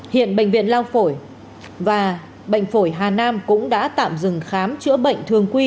hiện bệnh viện lao phổi và bệnh phổi hà nam cũng đã tạm dừng khám chữa bệnh thường quy